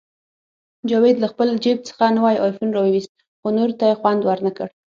جاوید له خپل جیب څخه نوی آیفون راوویست، خو نورو ته یې خوند ورنکړ